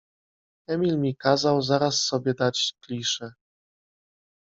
Emil mi kazał zaraz sobie dać kliszę.